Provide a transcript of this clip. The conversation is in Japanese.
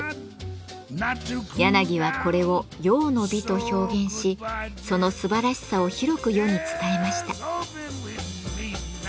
柳はこれを「用の美」と表現しそのすばらしさを広く世に伝えました。